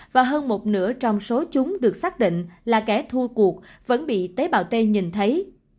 và hơn một nửa trong số chúng được xác định là kẻ thua cuộc vẫn bị tế bào t nhìn thấy